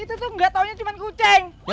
itu tuh gak taunya cuman kucing